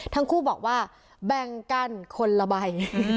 ทั้งคู่บอกว่าแบ่งกันคนละใบ